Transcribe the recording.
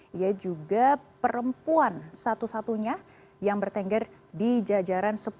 dia juga perempuan satu satunya yang bertengger di jajaran sepuluh